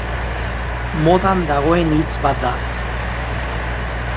Modan dagoen hitz bat da.